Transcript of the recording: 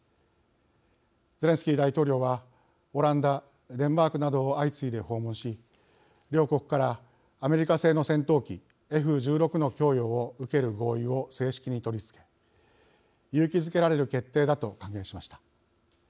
ゼレンスキー大統領はオランダ、デンマークなどを相次いで訪問し両国からアメリカ製の戦闘機Ｆ１６の供与を受ける合意を正式に取り付け勇気づけられる決定だと歓迎しました。